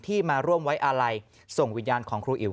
มาร่วมไว้อาลัยส่งวิญญาณของครูอิ๋ว